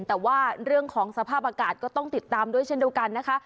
แต่ว่าเรื่องของสภาพอากาศก็ต้องติดตามด้วยเช่นเดียวกันนะคะ